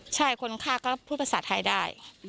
ใช่คนฆ่าก็พูดภาษาไทยได้